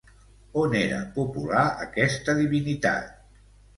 On era popular aquesta divinitat?